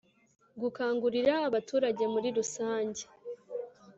Gukangurira abaturage muri rusange